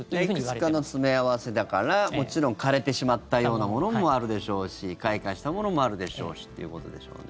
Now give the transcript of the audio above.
いくつかの詰め合わせだから、もちろん枯れてしまったようなものもあるでしょうし開花したものもあるでしょうしということでしょうね。